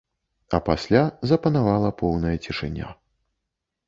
І пасля запанавала поўная цішыня.